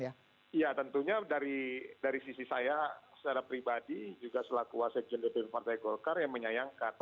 ya tentunya dari sisi saya secara pribadi juga selaku wasekjen dpp partai golkar yang menyayangkan